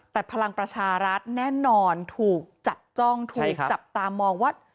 แต่พลังประชารัฐแน่นอนถูกจับจ้องถูกจับตามองว่า